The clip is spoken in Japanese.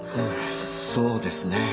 そうですね。